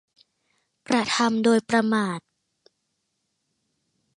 กระทำโดยประมาท